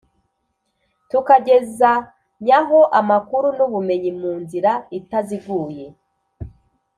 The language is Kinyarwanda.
tukagezanyaho amakuru n’ubumenyi mu nzira itaziguye.